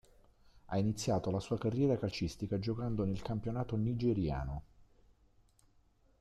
Ha iniziato la sua carriera calcistica giocando nel campionato nigeriano.